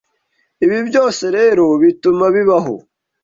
Ibi byose rero bituma bibaho